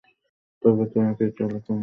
তবে চলে কী করিয়া?